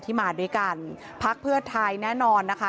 มาด้วยกันพักเพื่อไทยแน่นอนนะคะ